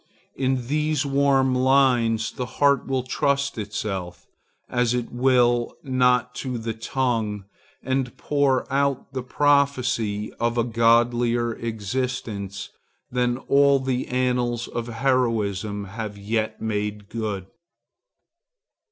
In these warm lines the heart will trust itself, as it will not to the tongue, and pour out the prophecy of a godlier existence than all the annals of heroism have yet made good.